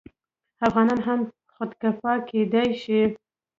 افغانان هم خودکفا کیدی شي.